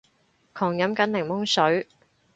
狂飲緊檸檬水